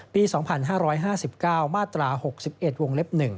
ปี๒๕๕๙มาตรา๖๑วงเล็บ๑